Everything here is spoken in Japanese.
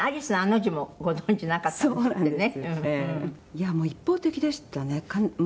いや、もう一方的でしたね。